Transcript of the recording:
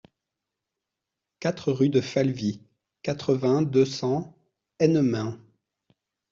quatre rue de Falvy, quatre-vingts, deux cents, Ennemain